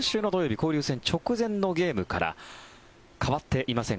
交流戦直前のゲームから変わっていません。